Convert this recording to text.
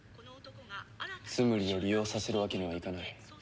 ツムリを利用させるわけにはいかない。